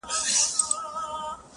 دا قضاوت یې په سپېڅلي زړه منلای نه سو-